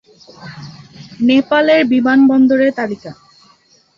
নেপালের বিমানবন্দরের তালিকা